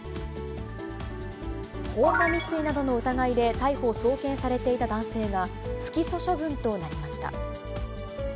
放火未遂などの疑いで逮捕・送検されていた男性が、不起訴処分となりました。